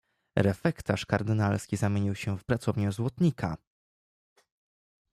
"Refektarz kardynalski zamienił się w pracownię złotnika!"